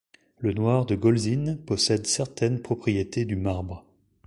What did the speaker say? Le noir de Golzinne possède certaines propriétés du marbre.